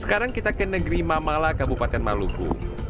sekarang kita ke negeri mamala kabupaten maluku